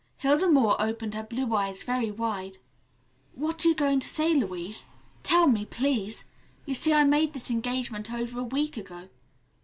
Hilda Moore opened her blue eyes very wide. "What are you going to say, Louise? Tell me, please. You see I made this engagement over a week ago.